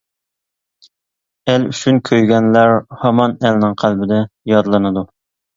ئەل ئۈچۈن كۆيگەنلەر ھامان ئەلنىڭ قەلبىدە يادلىنىدۇ.